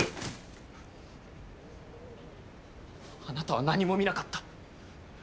あなたは何も見なかった。